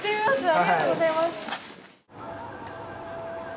ありがとうございます。